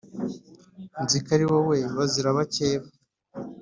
nzi ko ari wowe bazira abakeba